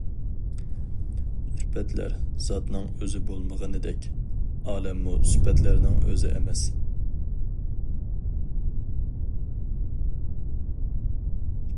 سۈپەتلەر زاتنىڭ ئۆزى بولمىغىنىدەك، ئالەممۇ سۈپەتلەرنىڭ ئۆزى ئەمەس.